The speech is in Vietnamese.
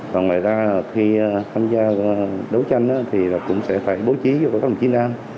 và ngoài ra khi tham gia đấu tranh thì cũng sẽ phải bố trí cho các đồng chí nam